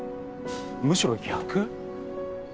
むしろ逆？